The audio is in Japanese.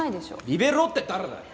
リベロウって誰だよ！？